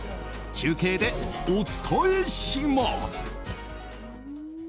中継でお伝えします。